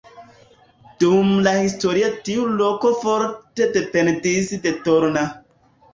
Dum la historio tiu loko forte dependis de Torna.